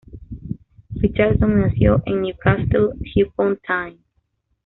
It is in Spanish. Richardson nació en Newcastle upon Tyne.